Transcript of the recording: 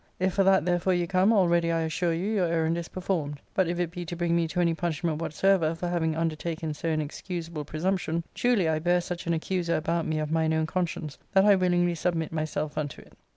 If for that therefore you come, already I assure you your errand is performed ; but if it be to bring me to any punish* ment whatsoever for having undertaken so inexcusable pre sumption, truly I bear such an accuser about me of mine own conscience that I willingly submit myself unto it.